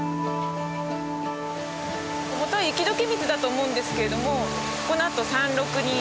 元は雪解け水だと思うんですけれどもこのあと山麓に流れた